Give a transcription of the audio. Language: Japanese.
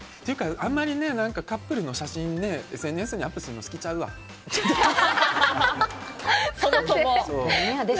あんまりカップルの写真をＳＮＳにアップするのそもそも。